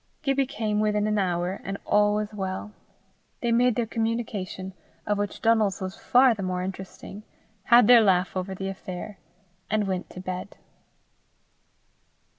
Gibbie came within an hour, and all was well. They made their communication, of which Donal's was far the more interesting, had their laugh over the affair, and went to bed.